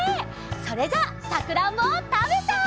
それじゃあさくらんぼをたべちゃおう！